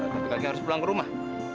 tapi kakek harus pulang ke rumah